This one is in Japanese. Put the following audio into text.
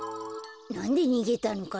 なんでにげたのかな？